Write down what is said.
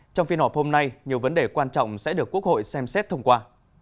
trong phiên họp hôm nay nhiều vấn đề quan trọng sẽ được quốc hội xem xét thông qua